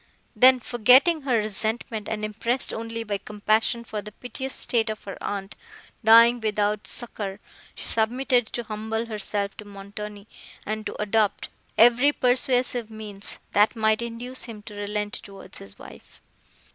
Then, forgetting her resentment, and impressed only by compassion for the piteous state of her aunt, dying without succour, she submitted to humble herself to Montoni, and to adopt every persuasive means, that might induce him to relent towards his wife.